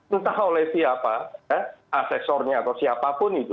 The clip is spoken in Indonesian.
entah oleh siapa asesornya atau siapapun itu